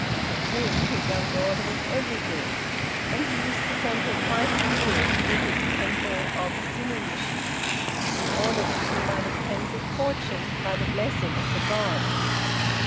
To him, his young daughter was everything; and he used to send her twice a year to visit the temple of Sumiyoshi, in order that she might obtain good fortune by the blessing of the god.